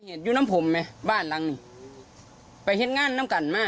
เห็นอยู่น้ำผมไหมบ้านหลังนี้ไปเห็นงานน้ำกันมา